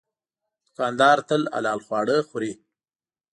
دوکاندار تل حلال خواړه خوري.